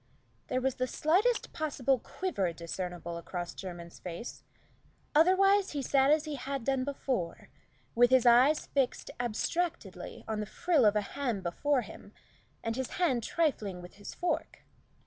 There was the slightest possible quiver discernible across Jermyn's face. Otherwise he sat as he had done before, with his eyes fixed abstractedly on the frill of a ham before him, and his hand trifling with his fork.